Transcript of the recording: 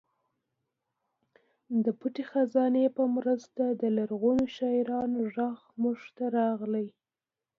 د پټې خزانې په مرسته د لرغونو شاعرانو غږ موږ ته راغلی.